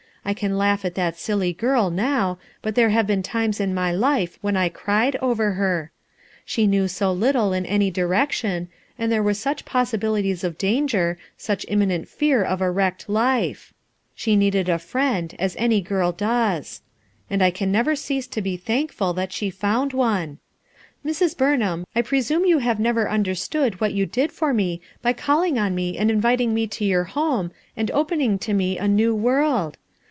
I can laugh at that silly girl, now, but there have been times in my life when I cried over her, She knew so little in any direction, and there were such possibilities of danger, such imminent fear of a wrecked life, She needed a friend, as every girl docs; and I can never cease to be thankful that she found one. LOOKING BACKWARD 195 "Mrs* Burnham, I presume you have never understood what you did for me by calling on me and inviting me to your home, and opening La mo a new world.